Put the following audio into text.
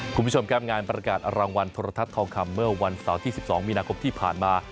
คุณผู้ชมครับงานประกาศรางวัลโทรทัศน์ทองคำเมื่อวันเสาร์ที่๑๒มีนาคมที่ผ่านมา